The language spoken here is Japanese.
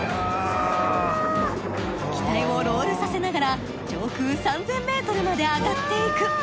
機体をロールさせながら上空３，０００ｍまで上がっていく。